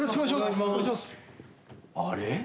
あれ？